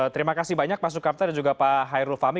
terima kasih banyak pak sukamta dan juga pak hairul fahmi